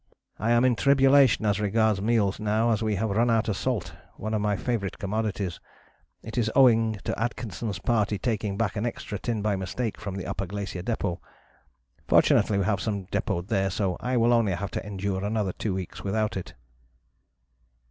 I am in tribulation as regards meals now as we have run out of salt, one of my favourite commodities. It is owing to Atkinson's party taking back an extra tin by mistake from the Upper Glacier Depôt. Fortunately we have some depôted there, so I will only have to endure another two weeks without it.